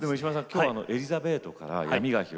今日は「エリザベート」から「闇が広がる」